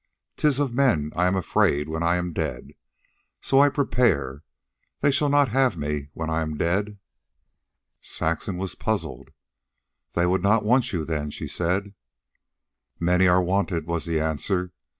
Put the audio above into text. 'Tis of men I am afraid when I am dead. So I prepare. They shall not have me when I am dead." Saxon was puzzled. "They would not want you then," she said. "Many are wanted," was the answer.